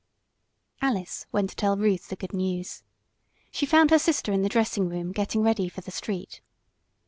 Alice went to tell Ruth the good news. She found her sister in the dressing room, getting ready for the street.